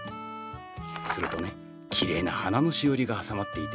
するとねきれいな花のしおりが挟まっていてね。